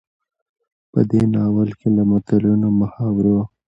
په دې ناول کې له متلونو، محاورو،